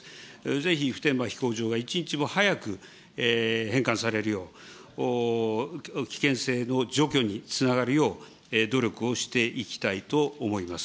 ぜひ、普天間飛行場が一日も早く返還されるよう、危険性の除去につながるよう、努力をしていきたいと思います。